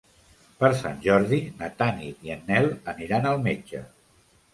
Per Sant Jordi na Tanit i en Nel aniran al metge.